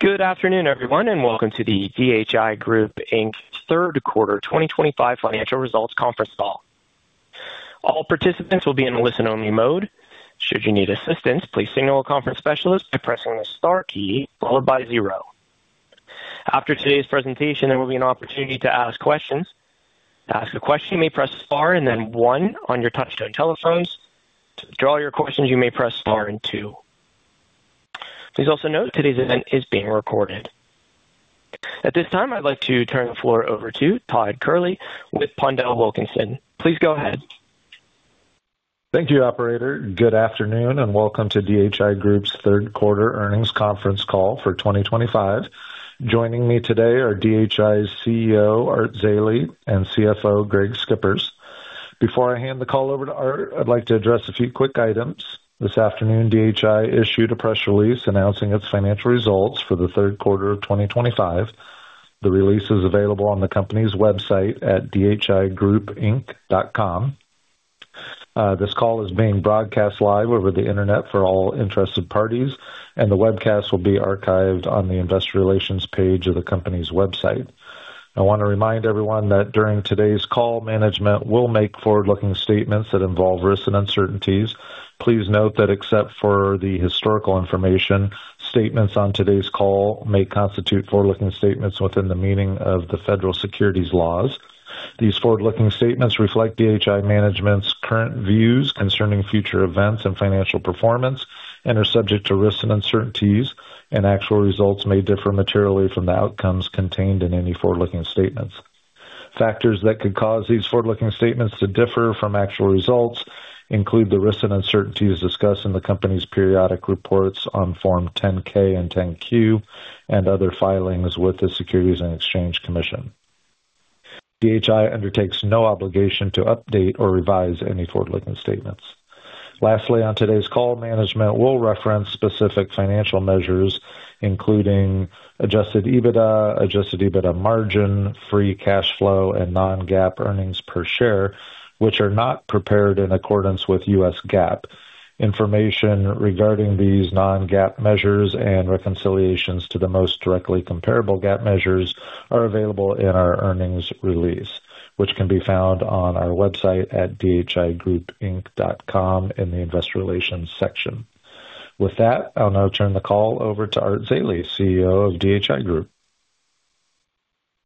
Good afternoon, everyone, and welcome to the DHI Group Third Quarter 2025 Financial Results Conference Call. All participants will be in a listen-only mode. Should you need assistance, please signal a conference specialist by pressing the star key followed by zero. After today's presentation, there will be an opportunity to ask questions. To ask a question, you may press star and then one on your touchstone telephones. To withdraw your questions, you may press star and two. Please also note today's event is being recorded. At this time, I'd like to turn the floor over to Todd Kehrli with PondelWilkinson. Please go ahead. Thank you, Operator. Good afternoon and welcome to DHI Group's Third Quarter Earnings Conference Call for 2025. Joining me today are DHI's CEO, Art Zeile, and CFO, Greg Schippers. Before I hand the call over to Art, I'd like to address a few quick items. This afternoon, DHI issued a press release announcing its financial results for the third quarter of 2025. The release is available on the company's website at dhigroupinc.com. This call is being broadcast live over the internet for all interested parties, and the webcast will be archived on the investor relations page of the company's website. I want to remind everyone that during today's call, management will make forward-looking statements that involve risks and uncertainties. Please note that except for the historical information, statements on today's call may constitute forward-looking statements within the meaning of the federal securities laws. These forward-looking statements reflect DHI management's current views concerning future events and financial performance and are subject to risks and uncertainties, and actual results may differ materially from the outcomes contained in any forward-looking statements. Factors that could cause these forward-looking statements to differ from actual results include the risks and uncertainties discussed in the company's periodic reports on Form 10-K and 10-Q and other filings with the Securities and Exchange Commission. DHI undertakes no obligation to update or revise any forward-looking statements. Lastly, on today's call, management will reference specific financial measures including Adjusted EBITDA, Adjusted EBITDA margin, free cash flow, and non-GAAP earnings per share, which are not prepared in accordance with US GAAP. Information regarding these non-GAAP measures and reconciliations to the most directly comparable GAAP measures are available in our earnings release, which can be found on our website at dhigroupinc.com in the investor relations section. With that, I'll now turn the call over to Art Zeile, CEO of DHI Group.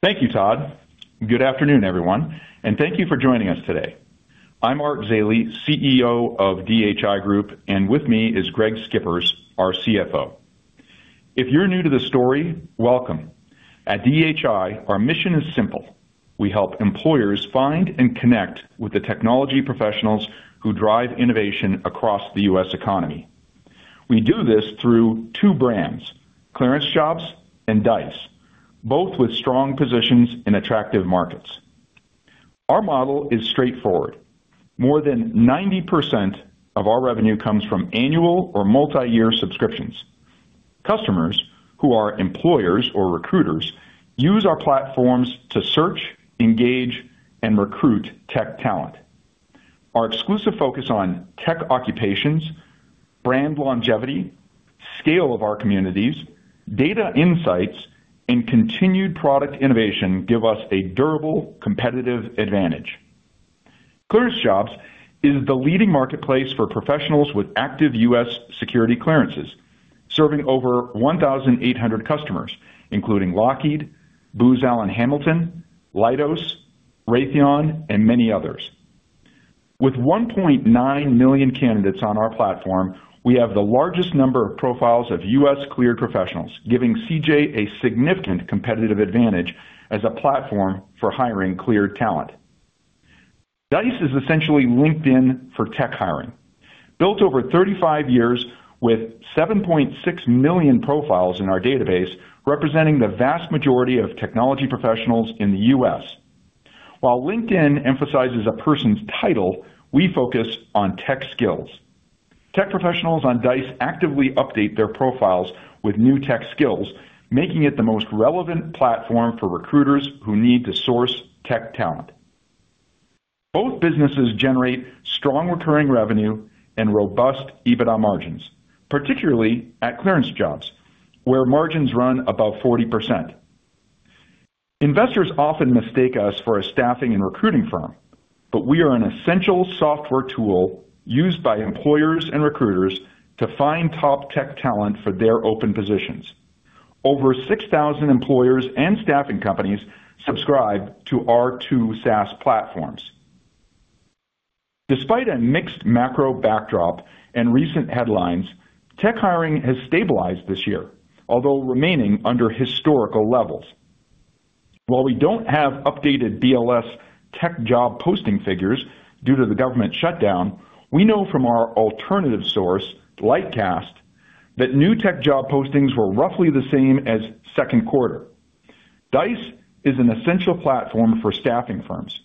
Thank you, Todd. Good afternoon, everyone, and thank you for joining us today. I'm Art Zeile, CEO of DHI Group, and with me is Greg Schippers, our CFO. If you're new to the story, welcome. At DHI, our mission is simple. We help employers find and connect with the technology professionals who drive innovation across the U.S. economy. We do this through two brands, ClearanceJobs and Dice, both with strong positions in attractive markets. Our model is straightforward. More than 90% of our revenue comes from annual or multi-year subscriptions. Customers who are employers or recruiters use our platforms to search, engage, and recruit tech talent. Our exclusive focus on tech occupations, brand longevity, scale of our communities, data insights, and continued product innovation give us a durable competitive advantage. ClearanceJobs is the leading marketplace for professionals with active U.S. security clearances, serving over 1,800 customers, including Lockheed Martin, Booz Allen Hamilton, Leidos, Raytheon, and many others. With 1.9 million candidates on our platform, we have the largest number of profiles of U.S. cleared professionals, giving CJ a significant competitive advantage as a platform for hiring cleared talent. Dice is essentially LinkedIn for tech hiring. Built over 35 years with 7.6 million profiles in our database, representing the vast majority of technology professionals in the U.S. While LinkedIn emphasizes a person's title, we focus on tech skills. Tech professionals on Dice actively update their profiles with new tech skills, making it the most relevant platform for recruiters who need to source tech talent. Both businesses generate strong recurring revenue and robust EBITDA margins, particularly at ClearanceJobs, where margins run above 40%. Investors often mistake us for a staffing and recruiting firm, but we are an essential software tool used by employers and recruiters to find top tech talent for their open positions. Over 6,000 employers and staffing companies subscribe to our two SaaS platforms. Despite a mixed macro backdrop and recent headlines, tech hiring has stabilized this year, although remaining under historical levels. While we do not have updated U.S. BLS tech job posting figures due to the government shutdown, we know from our alternative source, Lightcast, that new tech job postings were roughly the same as second quarter. Dice is an essential platform for staffing firms.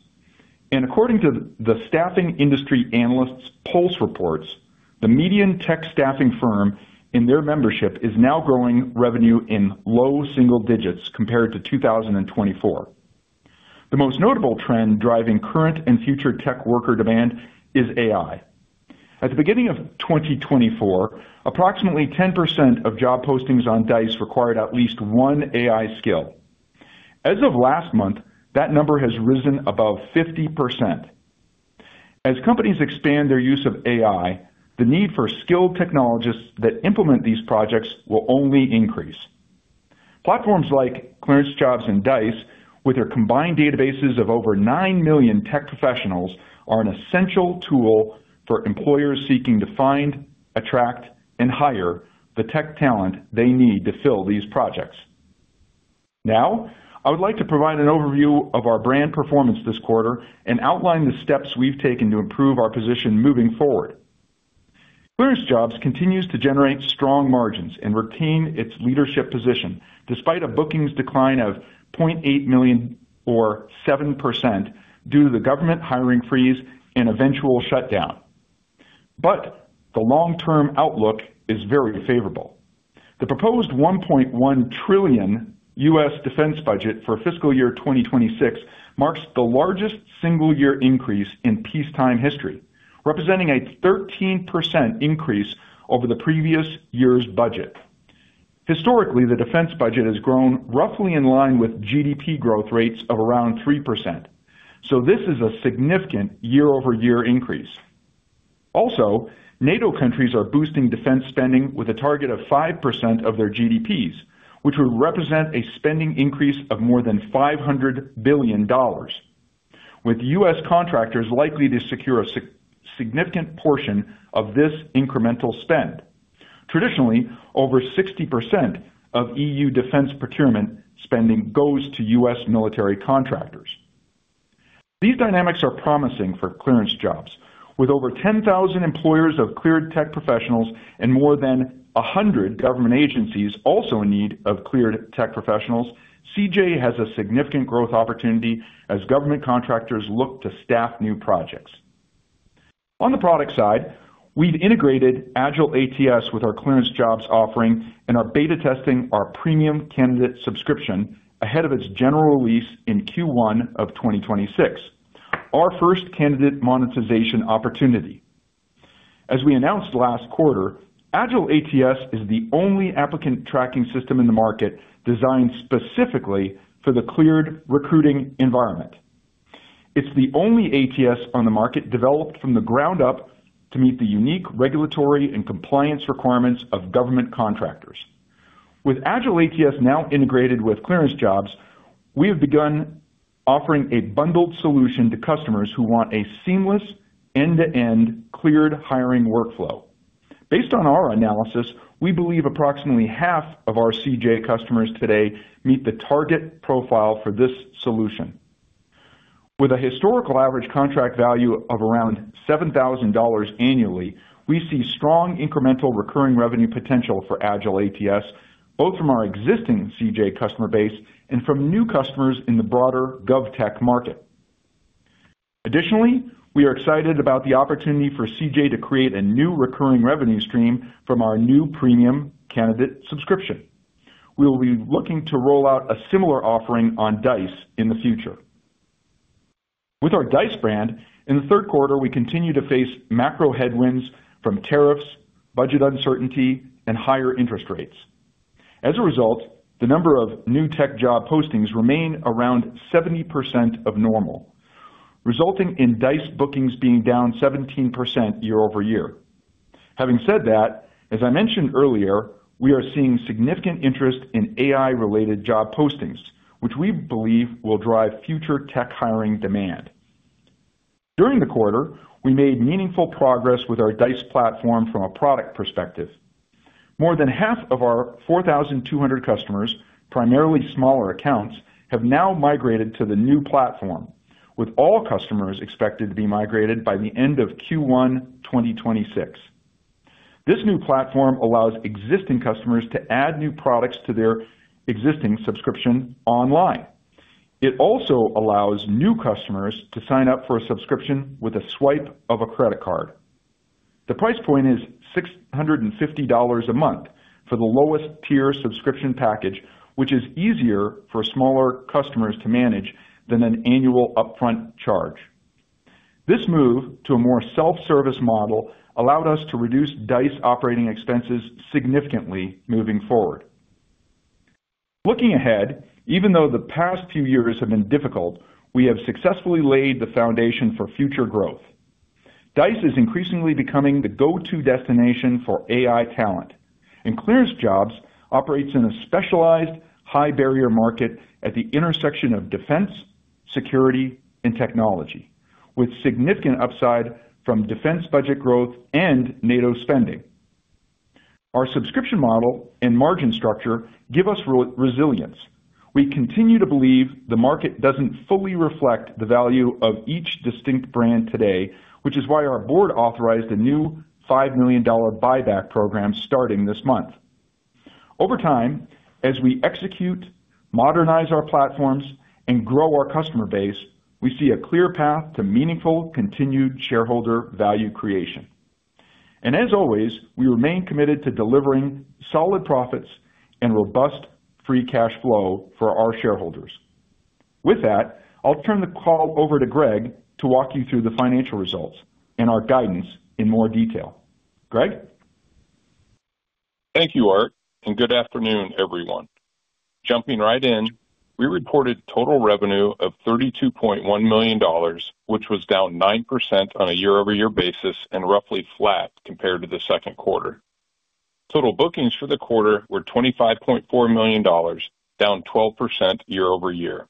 According to the Staffing Industry Analysts Pulse Reports, the median tech staffing firm in their membership is now growing revenue in low single digits compared to 2024. The most notable trend driving current and future tech worker demand is AI. At the beginning of 2024, approximately 10% of job postings on Dice required at least one AI skill. As of last month, that number has risen above 50%. As companies expand their use of AI, the need for skilled technologists that implement these projects will only increase. Platforms like ClearanceJobs and Dice, with their combined databases of over 9 million tech professionals, are an essential tool for employers seeking to find, attract, and hire the tech talent they need to fill these projects. Now, I would like to provide an overview of our brand performance this quarter and outline the steps we've taken to improve our position moving forward. ClearanceJobs continues to generate strong margins and retain its leadership position despite a bookings decline of $0.8 million or 7% due to the government hiring freeze and eventual shutdown. The long-term outlook is very favorable. The proposed $1.1 trillion U.S. defense budget for fiscal year 2026 marks the largest single-year increase in peacetime history, representing a 13% increase over the previous year's budget. Historically, the defense budget has grown roughly in line with GDP growth rates of around 3%. This is a significant year-over-year increase. Also, NATO countries are boosting defense spending with a target of 5% of their GDPs, which would represent a spending increase of more than $500 billion, with U.S. contractors likely to secure a significant portion of this incremental spend. Traditionally, over 60% of EU defense procurement spending goes to U.S. military contractors. These dynamics are promising for ClearanceJobs. With over 10,000 employers of cleared tech professionals and more than 100 government agencies also in need of cleared tech professionals, CJ has a significant growth opportunity as government contractors look to staff new projects. On the product side, we've integrated AgileATS with our ClearanceJobs offering and are beta testing our premium candidate subscription ahead of its general release in Q1 of 2026, our first candidate monetization opportunity. As we announced last quarter, AgileATS is the only applicant tracking system in the market designed specifically for the cleared recruiting environment. It's the only ATS on the market developed from the ground up to meet the unique regulatory and compliance requirements of government contractors. With AgileATS now integrated with ClearanceJobs, we have begun offering a bundled solution to customers who want a seamless end-to-end cleared hiring workflow. Based on our analysis, we believe approximately half of our CJ customers today meet the target profile for this solution. With a historical average contract value of around $7,000 annually, we see strong incremental recurring revenue potential for AgileATS, both from our existing CJ customer base and from new customers in the broader GovTech market. Additionally, we are excited about the opportunity for CJ to create a new recurring revenue stream from our new premium candidate subscription. We will be looking to roll out a similar offering on Dice in the future. With our Dice brand, in the third quarter, we continue to face macro headwinds from tariffs, budget uncertainty, and higher interest rates. As a result, the number of new tech job postings remains around 70% of normal, resulting in Dice bookings being down 17% year-over-year. Having said that, as I mentioned earlier, we are seeing significant interest in AI-related job postings, which we believe will drive future tech hiring demand. During the quarter, we made meaningful progress with our Dice platform from a product perspective. More than half of our 4,200 customers, primarily smaller accounts, have now migrated to the new platform, with all customers expected to be migrated by the end of Q1 2026. This new platform allows existing customers to add new products to their existing subscription online. It also allows new customers to sign up for a subscription with a swipe of a credit card. The price point is $650 a month for the lowest tier subscription package, which is easier for smaller customers to manage than an annual upfront charge. This move to a more self-service model allowed us to reduce Dice operating expenses significantly moving forward. Looking ahead, even though the past few years have been difficult, we have successfully laid the foundation for future growth. Dice is increasingly becoming the go-to destination for AI talent, and ClearanceJobs operates in a specialized high-barrier market at the intersection of defense, security, and technology, with significant upside from defense budget growth and NATO spending. Our subscription model and margin structure give us resilience. We continue to believe the market does not fully reflect the value of each distinct brand today, which is why our board authorized a new $5 million buyback program starting this month. Over time, as we execute, modernize our platforms, and grow our customer base, we see a clear path to meaningful continued shareholder value creation. We remain committed to delivering solid profits and robust free cash flow for our shareholders. With that, I will turn the call over to Greg to walk you through the financial results and our guidance in more detail. Greg? Thank you, Art, and good afternoon, everyone. Jumping right in, we reported total revenue of $32.1 million, which was down 9% on a year-over-year basis and roughly flat compared to the second quarter. Total bookings for the quarter were $25.4 million, down 12% year-over-year.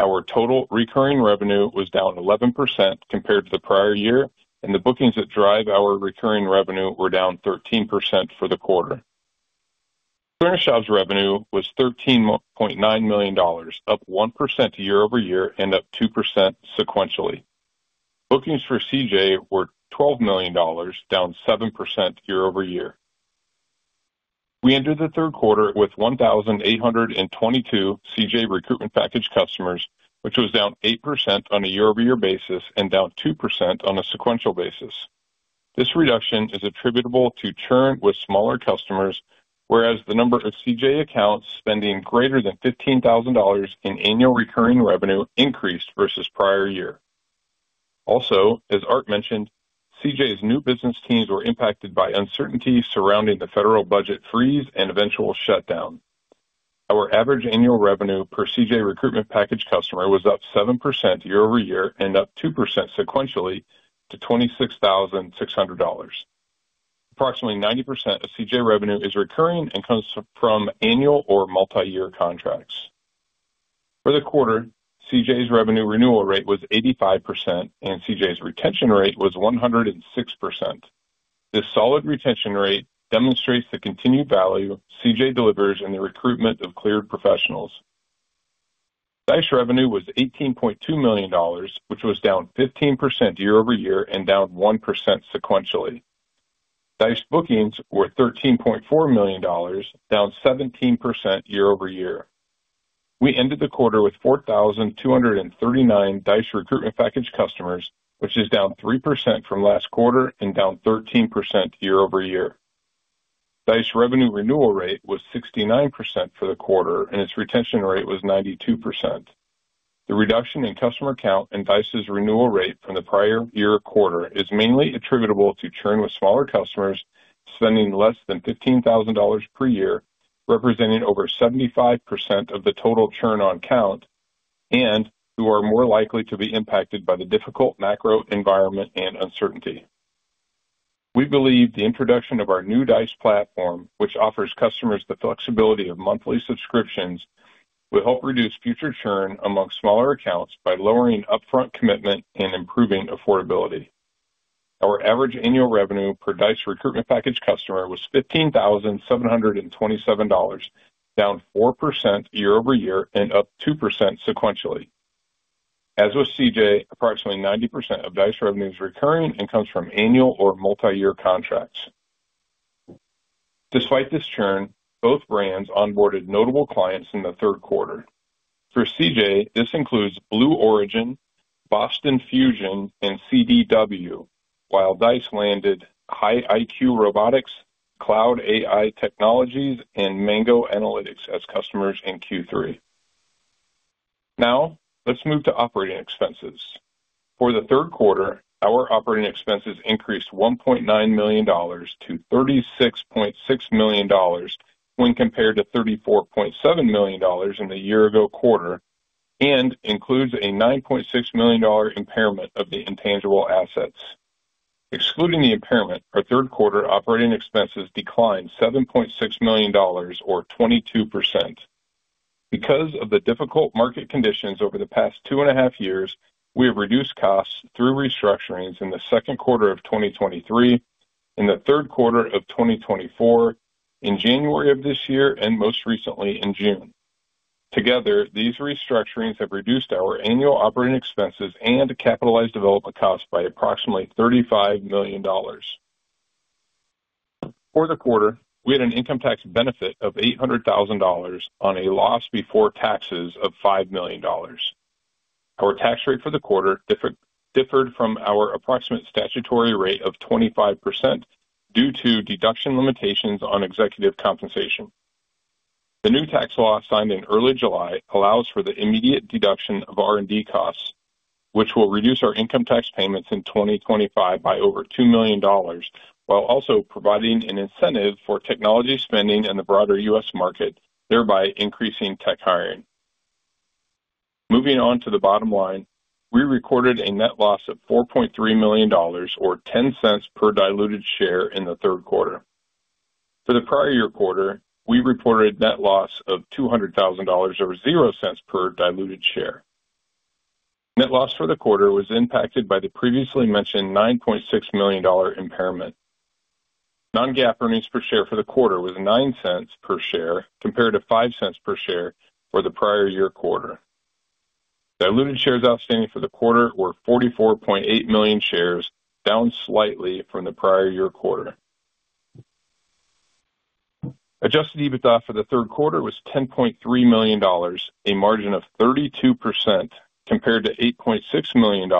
Our total recurring revenue was down 11% compared to the prior year, and the bookings that drive our recurring revenue were down 13% for the quarter. ClearanceJobs revenue was $13.9 million, up 1% year-over-year and up 2% sequentially. Bookings for CJ were $12 million, down 7% year-over-year. We entered the third quarter with 1,822 CJ recruitment package customers, which was down 8% on a year-over-year basis and down 2% on a sequential basis. This reduction is attributable to churn with smaller customers, whereas the number of CJ accounts spending greater than $15,000 in annual recurring revenue increased versus prior year. Also, as Art mentioned, CJ's new business teams were impacted by uncertainty surrounding the federal budget freeze and eventual shutdown. Our average annual revenue per CJ recruitment package customer was up 7% year-over-year and up 2% sequentially to $26,600. Approximately 90% of CJ revenue is recurring and comes from annual or multi-year contracts. For the quarter, CJ's revenue renewal rate was 85%, and CJ's retention rate was 106%. This solid retention rate demonstrates the continued value CJ delivers in the recruitment of cleared professionals. Dice revenue was $18.2 million, which was down 15% year-over-year and down 1% sequentially. Dice bookings were $13.4 million, down 17% year-over-year. We ended the quarter with 4,239 Dice recruitment package customers, which is down 3% from last quarter and down 13% year-over-year. Dice revenue renewal rate was 69% for the quarter, and its retention rate was 92%. The reduction in customer count and Dice's renewal rate from the prior year quarter is mainly attributable to churn with smaller customers spending less than $15,000 per year, representing over 75% of the total churn on count, and who are more likely to be impacted by the difficult macro environment and uncertainty. We believe the introduction of our new Dice platform, which offers customers the flexibility of monthly subscriptions, will help reduce future churn among smaller accounts by lowering upfront commitment and improving affordability. Our average annual revenue per Dice recruitment package customer was $15,727, down 4% year-over-year and up 2% sequentially. As with CJ, approximately 90% of Dice revenue is recurring and comes from annual or multi-year contracts. Despite this churn, both brands onboarded notable clients in the third quarter. For CJ, this includes Blue Origin, Boston Fusion, and CDW, while Dice landed HighIQ Robotics, CloudAI Technologies, and Mango Analytics as customers in Q3. Now, let's move to operating expenses. For the third quarter, our operating expenses increased $1.9 million to $36.6 million when compared to $34.7 million in the year-ago quarter and includes a $9.6 million impairment of the intangible assets. Excluding the impairment, our third quarter operating expenses declined $7.6 million, or 22%. Because of the difficult market conditions over the past two and a half years, we have reduced costs through restructurings in the second quarter of 2023, in the third quarter of 2024, in January of this year, and most recently in June. Together, these restructurings have reduced our annual operating expenses and capitalized development costs by approximately $35 million. For the quarter, we had an income tax benefit of $800,000 on a loss before taxes of $5 million. Our tax rate for the quarter differed from our approximate statutory rate of 25% due to deduction limitations on executive compensation. The new tax law signed in early July allows for the immediate deduction of R&D costs, which will reduce our income tax payments in 2025 by over $2 million, while also providing an incentive for technology spending in the broader U.S. market, thereby increasing tech hiring. Moving on to the bottom line, we recorded a net loss of $4.3 million, or $0.10 per diluted share in the third quarter. For the prior year quarter, we reported a net loss of $200,000, or $0.00 per diluted share. Net loss for the quarter was impacted by the previously mentioned $9.6 million impairment. Non-GAAP earnings per share for the quarter was $0.09 per share compared to $0.05 per share for the prior year quarter. Diluted shares outstanding for the quarter were 44.8 million shares, down slightly from the prior year quarter. Adjusted EBITDA for the third quarter was $10.3 million, a margin of 32% compared to $8.6 million,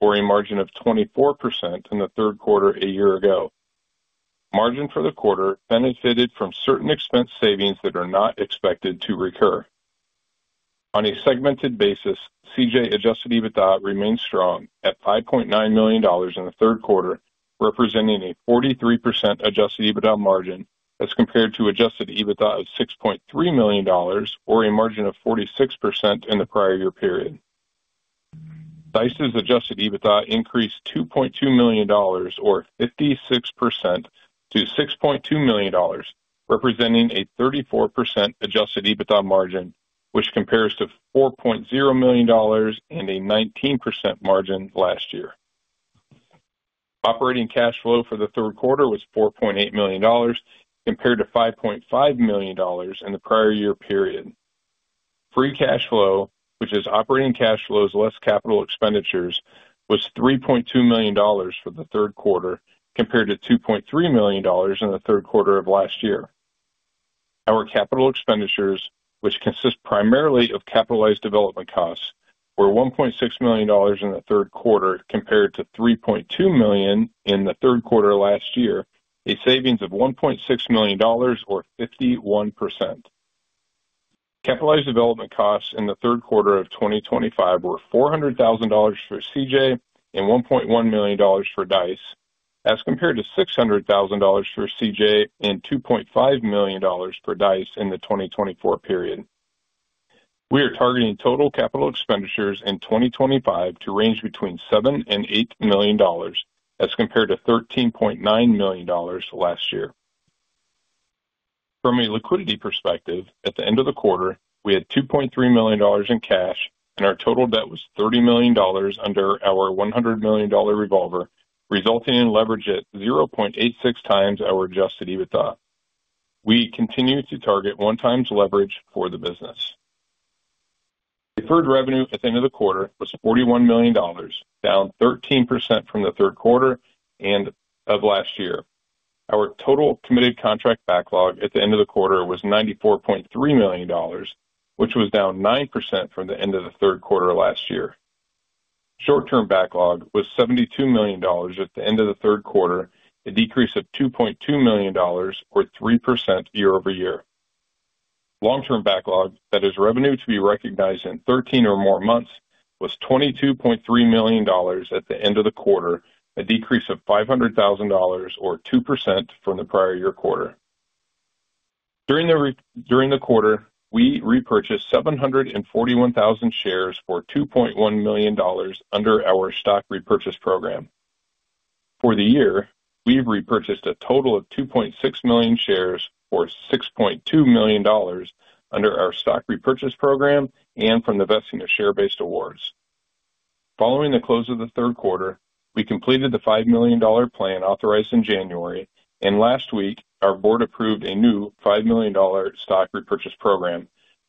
or a margin of 24% in the third quarter a year ago. Margin for the quarter benefited from certain expense savings that are not expected to recur. On a segmented basis, CJ Adjusted EBITDA remained strong at $5.9 million in the third quarter, representing a 43% Adjusted EBITDA margin as compared to Adjusted EBITDA of $6.3 million, or a margin of 46% in the prior year period. DICE's Adjusted EBITDA increased $2.2 million, or 56%, to $6.2 million, representing a 34% Adjusted EBITDA margin, which compares to $4.0 million and a 19% margin last year. Operating cash flow for the third quarter was $4.8 million compared to $5.5 million in the prior year period. Free cash flow, which is operating cash flows less capital expenditures, was $3.2 million for the third quarter compared to $2.3 million in the third quarter of last year. Our capital expenditures, which consist primarily of capitalized development costs, were $1.6 million in the third quarter compared to $3.2 million in the third quarter last year, a savings of $1.6 million, or 51%. Capitalized development costs in the third quarter of 2025 were $400,000 for CJ and $1.1 million for DICE, as compared to $600,000 for CJ and $2.5 million for DICE in the 2024 period. We are targeting total capital expenditures in 2025 to range between $7 million and $8 million as compared to $13.9 million last year. From a liquidity perspective, at the end of the quarter, we had $2.3 million in cash, and our total debt was $30 million under our $100 million revolver, resulting in leverage at 0.86 times our Adjusted EBITDA. We continue to target one-time leverage for the business. Deferred revenue at the end of the quarter was $41 million, down 13% from the third quarter and of last year. Our total committed contract backlog at the end of the quarter was $94.3 million, which was down 9% from the end of the third quarter last year. Short-term backlog was $72 million at the end of the third quarter, a decrease of $2.2 million, or 3% year-over-year. Long-term backlog, that is revenue to be recognized in 13 or more months, was $22.3 million at the end of the quarter, a decrease of $500,000, or 2% from the prior year quarter. During the quarter, we repurchased 741,000 shares for $2.1 million under our stock repurchase program. For the year, we've repurchased a total of 2.6 million shares for $6.2 million under our stock repurchase program and from the vesting of share-based awards. Following the close of the third quarter, we completed the $5 million plan authorized in January, and last week, our board approved a new $5 million stock repurchase program,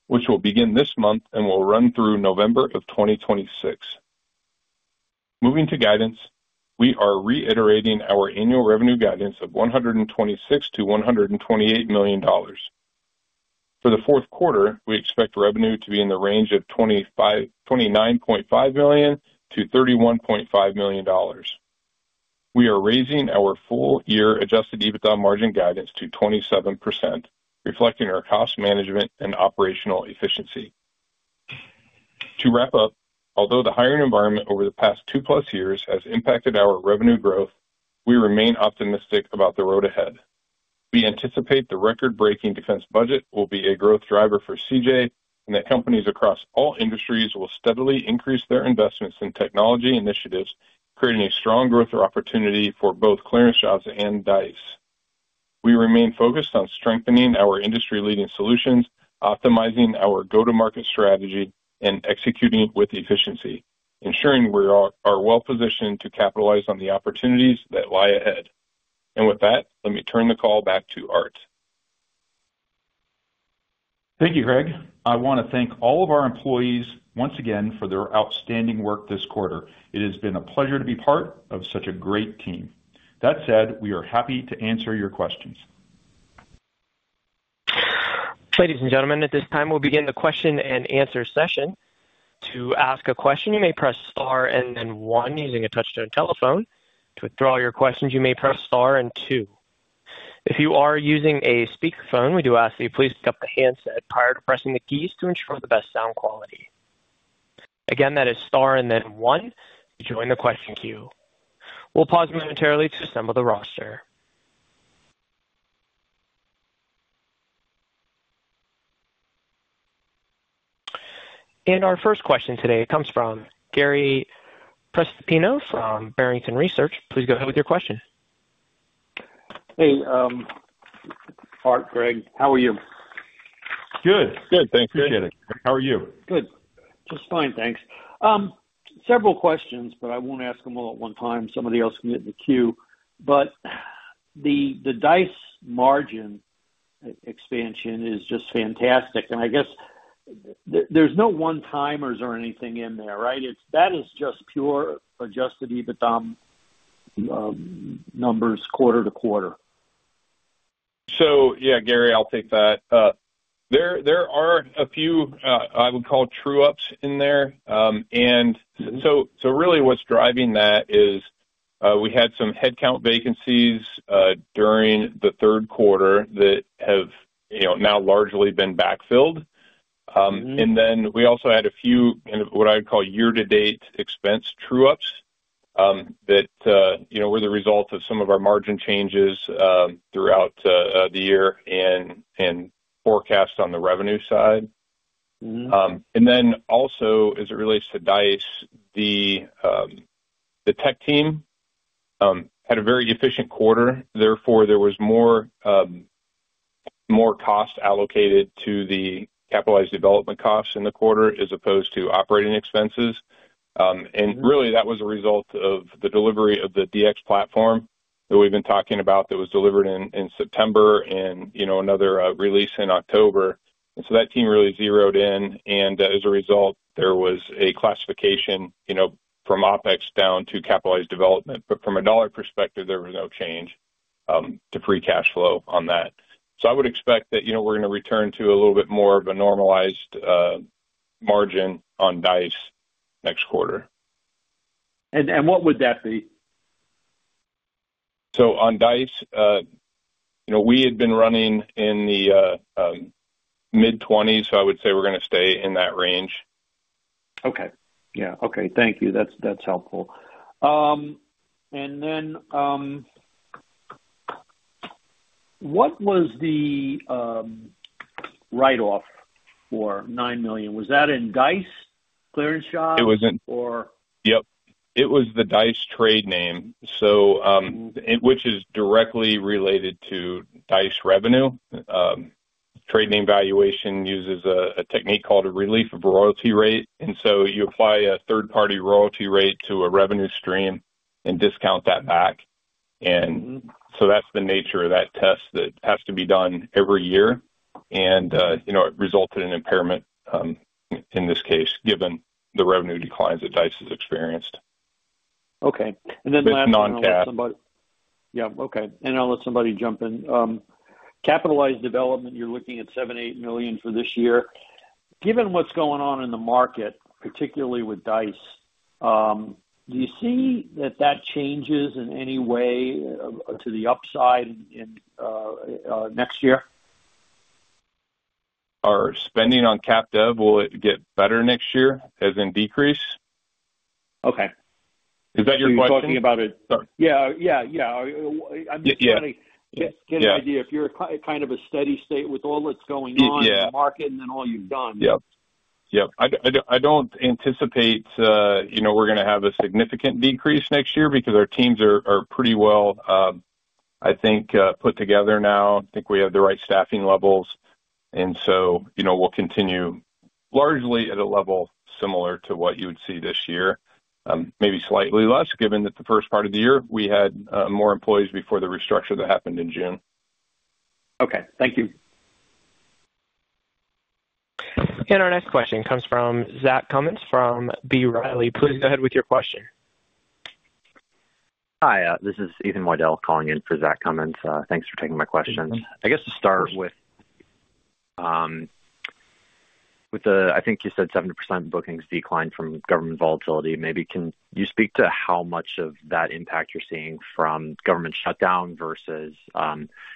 which will begin this month and will run through November of 2026. Moving to guidance, we are reiterating our annual revenue guidance of $126-$128 million. For the fourth quarter, we expect revenue to be in the range of $29.5-$31.5 million. We are raising our full-year Adjusted EBITDA margin guidance to 27%, reflecting our cost management and operational efficiency. To wrap up, although the hiring environment over the past two-plus years has impacted our revenue growth, we remain optimistic about the road ahead. We anticipate the record-breaking defense budget will be a growth driver for CJ and that companies across all industries will steadily increase their investments in technology initiatives, creating a strong growth opportunity for both ClearanceJobs and Dice. We remain focused on strengthening our industry-leading solutions, optimizing our go-to-market strategy, and executing it with efficiency, ensuring we are well-positioned to capitalize on the opportunities that lie ahead. Let me turn the call back to Art. Thank you, Greg. I want to thank all of our employees once again for their outstanding work this quarter. It has been a pleasure to be part of such a great team. That said, we are happy to answer your questions. Ladies and gentlemen, at this time, we'll begin the question and answer session. To ask a question, you may press Star and then One using a touch-tone telephone. To withdraw your questions, you may press Star and Two. If you are using a speakerphone, we do ask that you please pick up the handset prior to pressing the keys to ensure the best sound quality. Again, that is Star and then One to join the question queue. We'll pause momentarily to assemble the roster. Our first question today comes from Gary Prestopino from Barrington Research. Please go ahead with your question. Hey, Art, Greg, how are you? Good. Good. Thanks. Appreciate it. Good. How are you? Good. Just fine, thanks. Several questions, but I won't ask them all at one time. Somebody else can get in the queue. The Dice margin expansion is just fantastic. I guess there's no one-timers or anything in there, right? That is just pure Adjusted EBITDA numbers quarter to quarter. Yeah, Gary, I'll take that. There are a few, I would call, true-ups in there. Really what's driving that is we had some headcount vacancies during the third quarter that have now largely been backfilled. We also had a few kind of what I would call year-to-date expense true-ups that were the result of some of our margin changes throughout the year and forecast on the revenue side. Also, as it relates to Dice, the tech team had a very efficient quarter. Therefore, there was more cost allocated to the capitalized development costs in the quarter as opposed to operating expenses. That was a result of the delivery of the DX platform that we've been talking about that was delivered in September and another release in October. That team really zeroed in. As a result, there was a classification from OpEx down to capitalized development. From a dollar perspective, there was no change to free cash flow on that. I would expect that we're going to return to a little bit more of a normalized margin on Dice next quarter. What would that be? On Dice, we had been running in the mid-20s, so I would say we're going to stay in that range. Okay. Yeah. Okay. Thank you. That's helpful. And then what was the write-off for $9 million? Was that in Dice, ClearanceJobs, or? Yep. It was the Dice trade name, which is directly related to Dice revenue. Trade name valuation uses a technique called a relief of royalty rate. You apply a third-party royalty rate to a revenue stream and discount that back. That is the nature of that test that has to be done every year. It resulted in impairment in this case, given the revenue declines that Dice has experienced. Okay. And then lastly, I'll let somebody—yeah. Okay. And I'll let somebody jump in. Capitalized development, you're looking at $78 million for this year. Given what's going on in the market, particularly with Dice, do you see that that changes in any way to the upside next year? Our spending on cap dev will get better next year, as in decrease. Okay. Is that your question? You're talking about it, yeah, yeah, yeah. I'm just trying to get an idea. If you're in kind of a steady state with all that's going on in the market and then all you've done. Yep. Yep. I don't anticipate we're going to have a significant decrease next year because our teams are pretty well, I think, put together now. I think we have the right staffing levels. And so we'll continue largely at a level similar to what you would see this year, maybe slightly less, given that the first part of the year we had more employees before the restructure that happened in June. Okay. Thank you. Our next question comes from Zach Cummins from B. Riley. Please go ahead with your question. Hi. This is Ethan Widel calling in for Zach Cummins. Thanks for taking my question. I guess to start with, I think you said 70% of bookings declined from government volatility. Maybe can you speak to how much of that impact you're seeing from government shutdown versus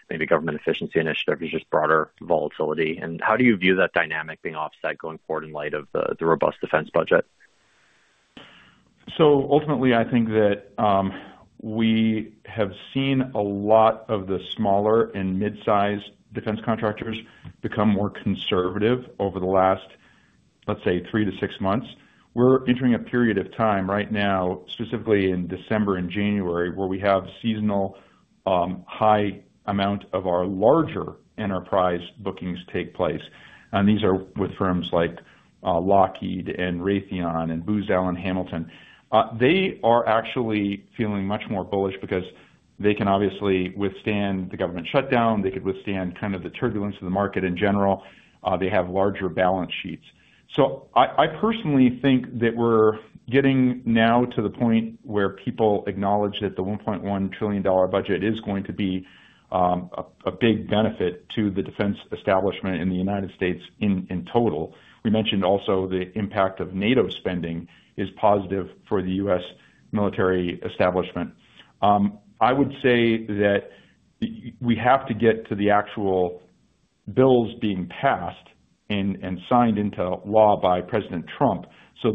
maybe government efficiency initiatives, just broader volatility? How do you view that dynamic being offset going forward in light of the robust defense budget? Ultimately, I think that we have seen a lot of the smaller and mid-sized defense contractors become more conservative over the last, let's say, three to six months. We're entering a period of time right now, specifically in December and January, where we have a seasonal high amount of our larger enterprise bookings take place. These are with firms like Lockheed Martin and Raytheon and Booz Allen Hamilton. They are actually feeling much more bullish because they can obviously withstand the government shutdown. They could withstand kind of the turbulence of the market in general. They have larger balance sheets. I personally think that we're getting now to the point where people acknowledge that the $1.1 trillion budget is going to be a big benefit to the defense establishment in the U.S. in total. We mentioned also the impact of NATO spending is positive for the U.S. military establishment. I would say that we have to get to the actual bills being passed and signed into law by President Trump.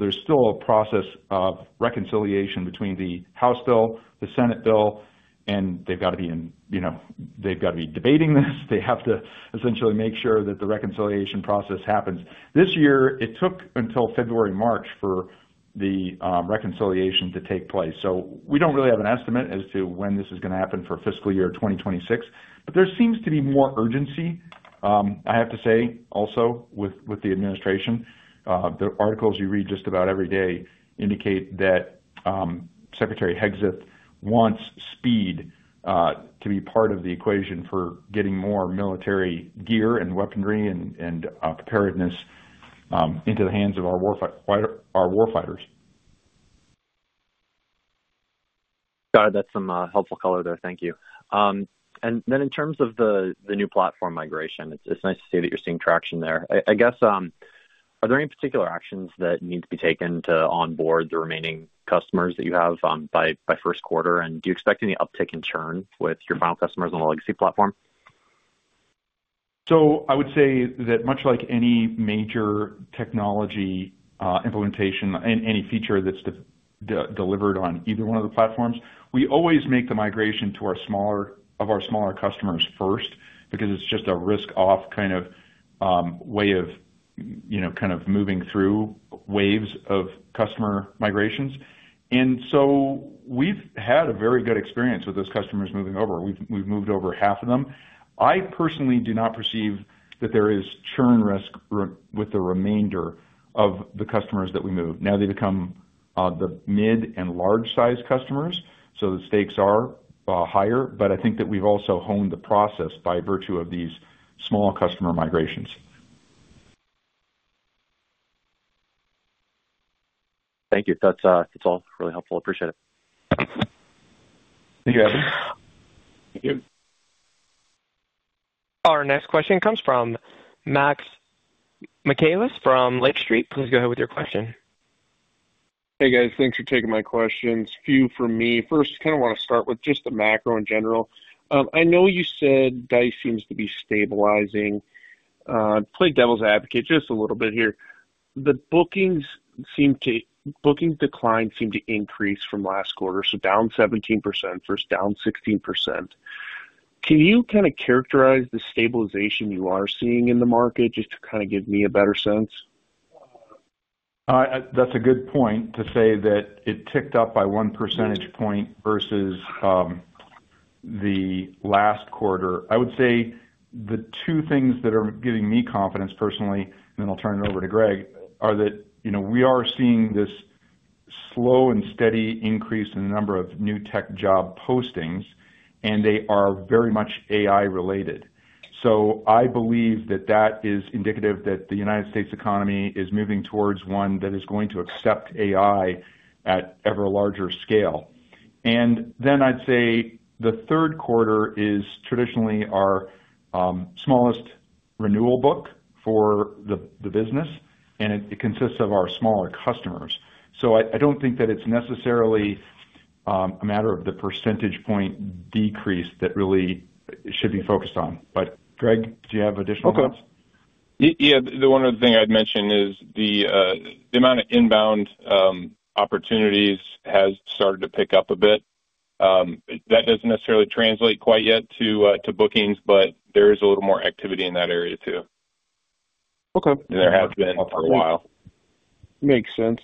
There is still a process of reconciliation between the House bill, the Senate bill, and they have to be debating this. They have to essentially make sure that the reconciliation process happens. This year, it took until February/March for the reconciliation to take place. We do not really have an estimate as to when this is going to happen for fiscal year 2026. There seems to be more urgency, I have to say, also with the administration. The articles you read just about every day indicate that Secretary Hegseth wants speed to be part of the equation for getting more military gear and weaponry and preparedness into the hands of our warfighters. Got it. That's some helpful color there. Thank you. In terms of the new platform migration, it's nice to see that you're seeing traction there. I guess, are there any particular actions that need to be taken to onboard the remaining customers that you have by first quarter? Do you expect any uptick in churn with your final customers on the legacy platform? I would say that much like any major technology implementation and any feature that's delivered on either one of the platforms, we always make the migration to our smaller customers first because it's just a risk-off kind of way of moving through waves of customer migrations. We've had a very good experience with those customers moving over. We've moved over half of them. I personally do not perceive that there is churn risk with the remainder of the customers that we move. Now they become the mid and large-sized customers, so the stakes are higher. I think that we've also honed the process by virtue of these small customer migrations. Thank you. That's all really helpful. Appreciate it. Thank you, Evan. Thank you. Our next question comes from Max Michaelis from Lake Street. Please go ahead with your question. Hey, guys. Thanks for taking my questions. Few from me. First, kind of want to start with just the macro in general. I know you said Dice seems to be stabilizing. Play devil's advocate just a little bit here. The bookings decline seem to increase from last quarter, so down 17%, first down 16%. Can you kind of characterize the stabilization you are seeing in the market just to kind of give me a better sense? That's a good point to say that it ticked up by one percentage point versus the last quarter. I would say the two things that are giving me confidence personally, and then I'll turn it over to Greg, are that we are seeing this slow and steady increase in the number of new tech job postings, and they are very much AI-related. I believe that that is indicative that the United States economy is moving towards one that is going to accept AI at ever larger scale. I'd say the third quarter is traditionally our smallest renewal book for the business, and it consists of our smaller customers. I don't think that it's necessarily a matter of the percentage point decrease that really should be focused on. Greg, do you have additional thoughts? Yeah. The one other thing I'd mention is the amount of inbound opportunities has started to pick up a bit. That doesn't necessarily translate quite yet to bookings, but there is a little more activity in that area too. There has been for a while. Makes sense.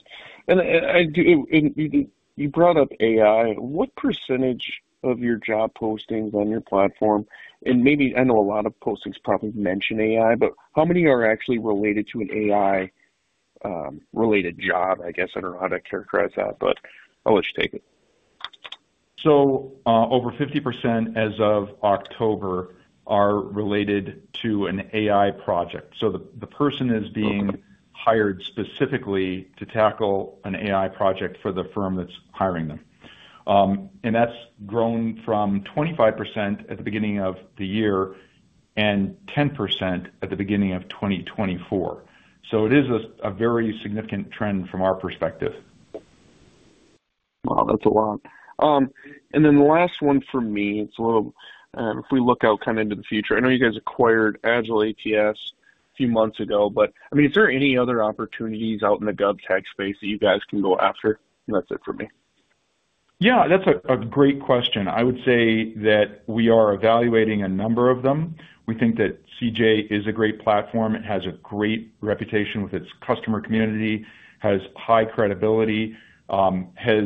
You brought up AI. What percentage of your job postings on your platform? Maybe I know a lot of postings probably mention AI, but how many are actually related to an AI-related job, I guess? I do not know how to characterize that, but I will let you take it. Over 50% as of October are related to an AI project. The person is being hired specifically to tackle an AI project for the firm that's hiring them. That's grown from 25% at the beginning of the year and 10% at the beginning of 2024. It is a very significant trend from our perspective. Wow, that's a lot. The last one for me, it's a little if we look out kind of into the future, I know you guys acquired AgileATS a few months ago, but I mean, is there any other opportunities out in the gov tech space that you guys can go after? That's it for me. Yeah, that's a great question. I would say that we are evaluating a number of them. We think that CJ is a great platform. It has a great reputation with its customer community, has high credibility, has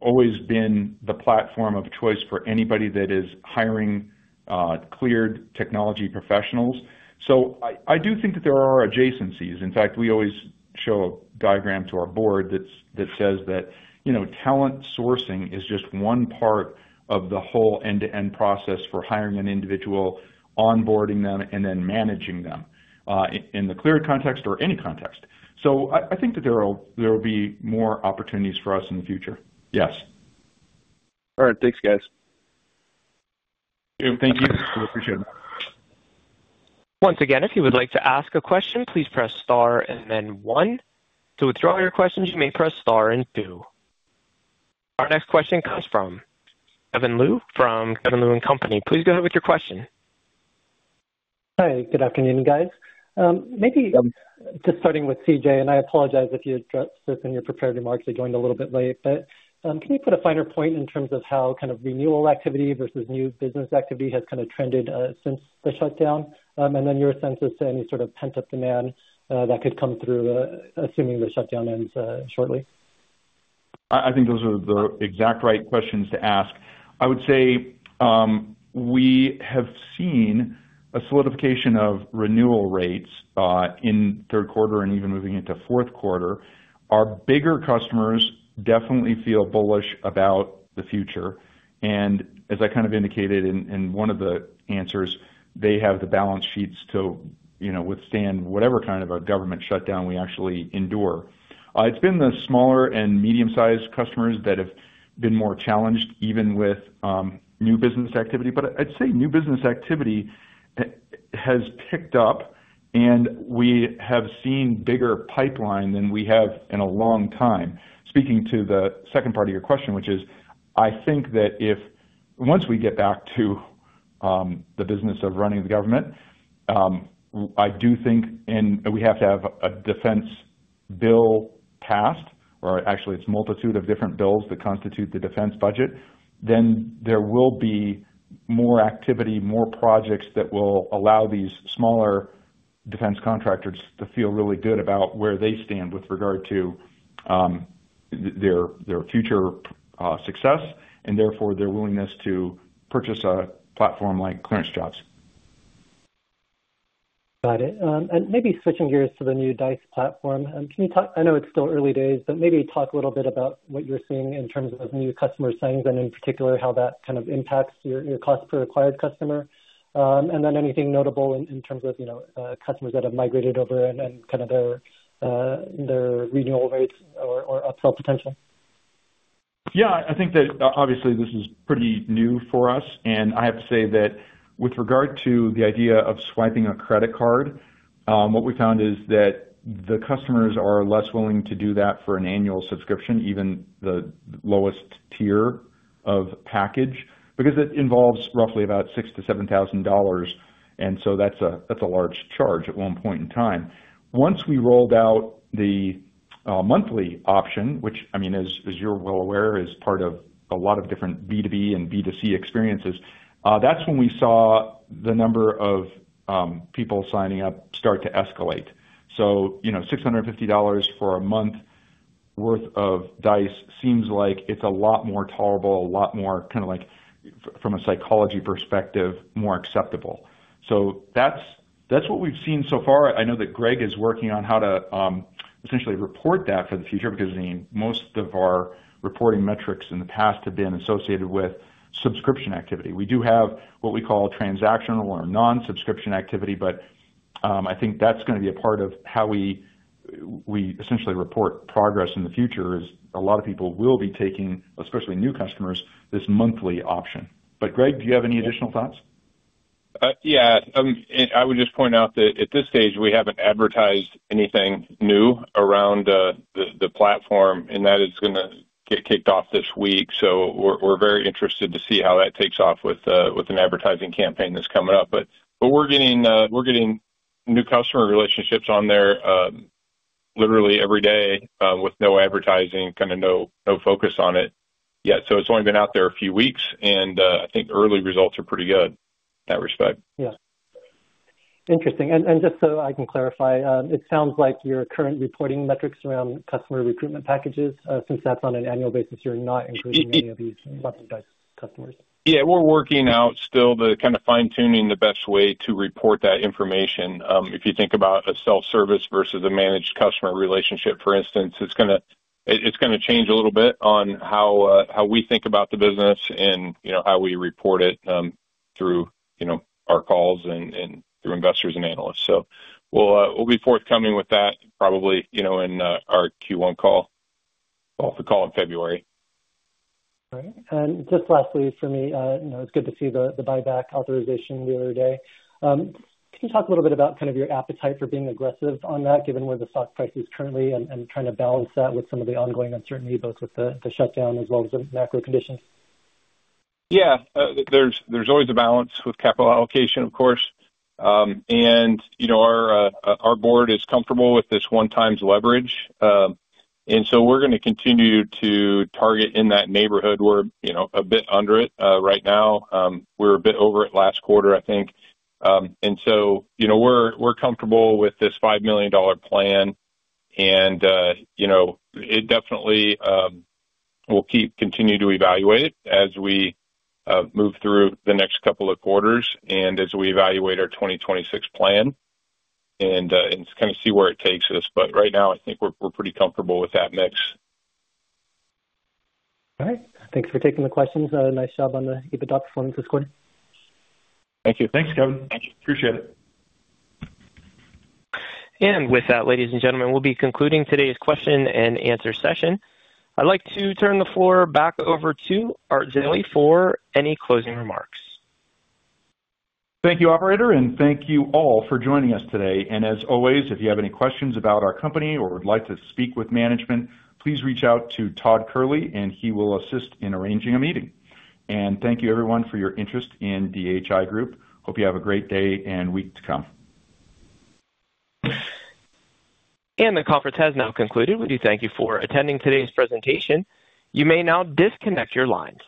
always been the platform of choice for anybody that is hiring cleared technology professionals. I do think that there are adjacencies. In fact, we always show a diagram to our board that says that talent sourcing is just one part of the whole end-to-end process for hiring an individual, onboarding them, and then managing them in the cleared context or any context. I think that there will be more opportunities for us in the future. Yes. All right. Thanks, guys. Thank you. Appreciate it. Once again, if you would like to ask a question, please press star and then one. To withdraw your questions, you may press star and two. Our next question comes from Kevin Lu from Kevin Lu and Company. Please go ahead with your question. Hi. Good afternoon, guys. Maybe just starting with CJ, and I apologize if you had just been here prepared to mark. I joined a little bit late. Can you put a finer point in terms of how kind of renewal activity versus new business activity has kind of trended since the shutdown? Your sense is to any sort of pent-up demand that could come through, assuming the shutdown ends shortly? I think those are the exact right questions to ask. I would say we have seen a solidification of renewal rates in third quarter and even moving into fourth quarter. Our bigger customers definitely feel bullish about the future. As I kind of indicated in one of the answers, they have the balance sheets to withstand whatever kind of a government shutdown we actually endure. It's been the smaller and medium-sized customers that have been more challenged even with new business activity. I'd say new business activity has picked up, and we have seen bigger pipeline than we have in a long time. Speaking to the second part of your question, which is, I think that if once we get back to the business of running the government, I do think we have to have a defense bill passed, or actually it is a multitude of different bills that constitute the defense budget, then there will be more activity, more projects that will allow these smaller defense contractors to feel really good about where they stand with regard to their future success and therefore their willingness to purchase a platform like ClearanceJobs. Got it. Maybe switching gears to the new Dice platform, can you talk—I know it's still early days—but maybe talk a little bit about what you're seeing in terms of new customer signings and in particular how that kind of impacts your cost per acquired customer? Anything notable in terms of customers that have migrated over and kind of their renewal rates or upsell potential? Yeah. I think that obviously this is pretty new for us. I have to say that with regard to the idea of swiping a credit card, what we found is that the customers are less willing to do that for an annual subscription, even the lowest tier of package, because it involves roughly about $6,000-$7,000. That is a large charge at one point in time. Once we rolled out the monthly option, which I mean, as you're well aware, is part of a lot of different B2B and B2C experiences, that's when we saw the number of people signing up start to escalate. $650 for a month worth of Dice seems like it's a lot more tolerable, a lot more kind of like from a psychology perspective, more acceptable. That's what we've seen so far. I know that Greg is working on how to essentially report that for the future because most of our reporting metrics in the past have been associated with subscription activity. We do have what we call transactional or non-subscription activity. I think that's going to be a part of how we essentially report progress in the future is a lot of people will be taking, especially new customers, this monthly option. Greg, do you have any additional thoughts? Yeah. I would just point out that at this stage, we haven't advertised anything new around the platform, and that is going to get kicked off this week. We are very interested to see how that takes off with an advertising campaign that's coming up. We are getting new customer relationships on there literally every day with no advertising, kind of no focus on it yet. It has only been out there a few weeks, and I think early results are pretty good in that respect. Yeah. Interesting. Just so I can clarify, it sounds like your current reporting metrics around customer recruitment packages, since that's on an annual basis, you're not including any of these customers. Yeah. We're working out still the kind of fine-tuning the best way to report that information. If you think about a self-service versus a managed customer relationship, for instance, it's going to change a little bit on how we think about the business and how we report it through our calls and through investors and analysts. We'll be forthcoming with that probably in our Q1 call, the call in February. All right. And just lastly for me, it was good to see the buyback authorization the other day. Can you talk a little bit about kind of your appetite for being aggressive on that, given where the stock price is currently, and trying to balance that with some of the ongoing uncertainty, both with the shutdown as well as the macro conditions? Yeah. There's always a balance with capital allocation, of course. Our board is comfortable with this one-time leverage. We're going to continue to target in that neighborhood. We're a bit under it right now. We were a bit over it last quarter, I think. We're comfortable with this $5 million plan. It definitely will continue to evaluate as we move through the next couple of quarters and as we evaluate our 2026 plan and kind of see where it takes us. Right now, I think we're pretty comfortable with that mix. All right. Thanks for taking the questions. Nice job on the EBITDA performance this quarter. Thank you. Thanks, Kevin. Appreciate it. With that, ladies and gentlemen, we'll be concluding today's question and answer session. I'd like to turn the floor back over to Art Zeile for any closing remarks. Thank you, operator, and thank you all for joining us today. As always, if you have any questions about our company or would like to speak with management, please reach out to Todd Kehrli, and he will assist in arranging a meeting. Thank you, everyone, for your interest in DHI Group. Hope you have a great day and week to come. The conference has now concluded. We do thank you for attending today's presentation. You may now disconnect your lines.